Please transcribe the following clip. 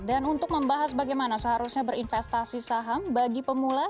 dan untuk membahas bagaimana seharusnya berinvestasi saham bagi pemula